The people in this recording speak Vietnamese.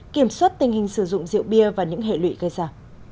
kiểm soát tình hình sử dụng rượu bia và những hệ lụy gây ra